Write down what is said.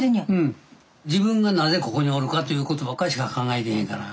自分がなぜここにおるかという事ばっかりしか考えてへんから。